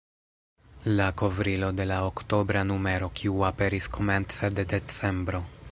La kovrilo de la oktobra numero, kiu aperis komence de decembro.